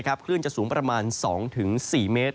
คลื่นจะสูงประมาณ๒๔เมตร